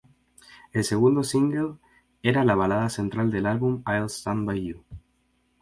El segundo "single" era la balada central del álbum "I'll Stand by You".